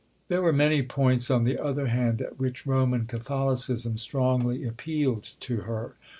There were many points, on the other hand, at which Roman Catholicism strongly appealed to her.